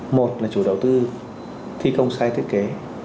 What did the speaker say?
một là chủ đầu tư thi công sai thiết kế